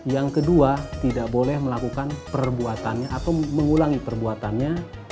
yang kedua tidak boleh melakukan perbuatannya atau mengulangi perbuatannya